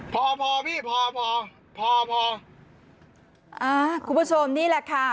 พอพอพี่พอพอพอพออ่าคุณผู้ชมนี่แหละค่ะ